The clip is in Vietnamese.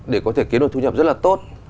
để có thể kiếm được thu nhập rất là tốt